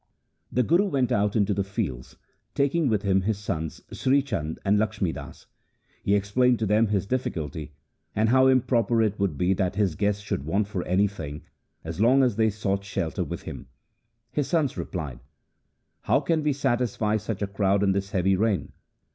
The Guru went out into the fields, taking with him his sons Sri Chand and Lakhmi Das. He explained to them his difficulty, and how improper it would be that his guests should want for anything as long as they sought shelter with him. His sons replied, ' How can we satisfy such a crowd in this heavy rain